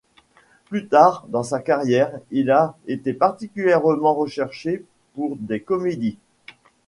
Plus tard dans sa carrière, il a été particulièrement recherché pour des comédies.